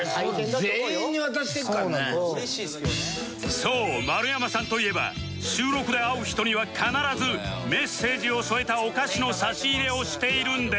そう丸山さんといえば収録で会う人には必ずメッセージを添えたお菓子の差し入れをしているんです